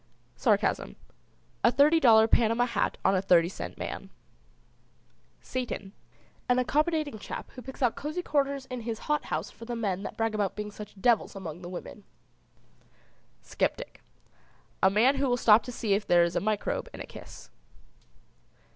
SARCASM. A thirty dollar Panama hat on a thirty cent man. SATAN. An accommodating chap who picks out cosey corners in his hot house for the men that brag about being such devils among the women. SCEPTIC. A man who will stop to see if there is a microbe in a kiss.